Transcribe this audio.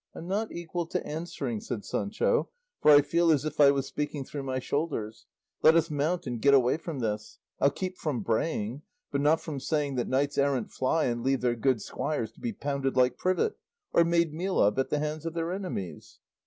"I'm not equal to answering," said Sancho, "for I feel as if I was speaking through my shoulders; let us mount and get away from this; I'll keep from braying, but not from saying that knights errant fly and leave their good squires to be pounded like privet, or made meal of at the hands of their enemies."